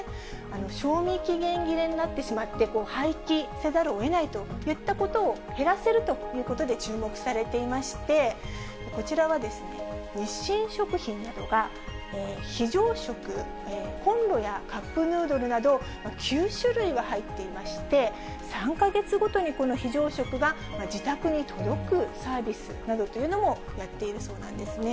賞味期限切れになってしまって、廃棄せざるをえないといったことを減らせるということで注目されていまして、こちらは日清食品などが非常食、こんろやカップヌードルなど、９種類が入っていまして、３か月ごとにこの非常食が自宅に届くサービスなどというのもやっているそうなんですね。